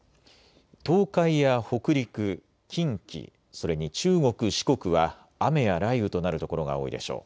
東海や北陸、近畿、それに中国、四国は雨や雷雨となる所が多いでしょう。